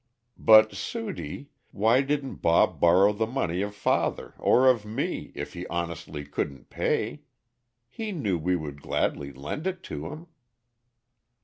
"But, Sudie, why didn't Bob borrow the money of father or of me, if he honestly couldn't pay? He knew we would gladly lend it to him."